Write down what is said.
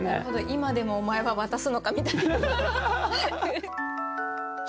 今でもお前は渡すのかみたいな。